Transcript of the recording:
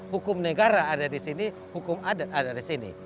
hukum negara ada di sini hukum adat ada di sini